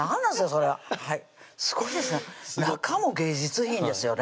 それはすごいですね中も芸術品ですよね